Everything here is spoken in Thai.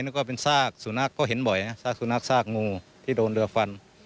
นึกว่าเป็นซากสุนัขก็เห็นบ่อยนะซากสุนัขซากงูที่โดนเรือฟัน